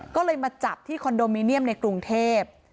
ก็เลยมาจับที่คอนโดมิเนียมในกรุงเทพ